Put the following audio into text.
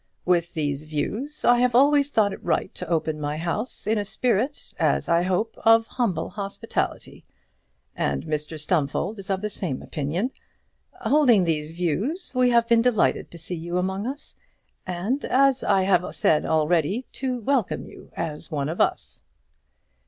With these views I have always thought it right to open my house in a spirit, as I hope, of humble hospitality; and Mr Stumfold is of the same opinion. Holding these views, we have been delighted to see you among us, and, as I have said already, to welcome you as one of us."